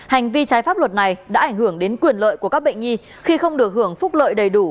hành vi trái pháp luật này đã ảnh hưởng đến quyền lợi của các bệnh nhi khi không được hưởng phúc lợi đầy đủ